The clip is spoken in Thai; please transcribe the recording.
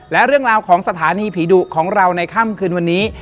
และเรื่องราวของสถานีผีดุของเราในค่ำคืนวันนี้